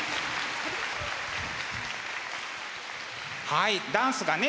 はいダンスがね